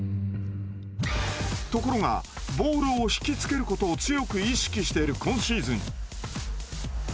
ところがボールを引き付けることを強く意識している今シーズン。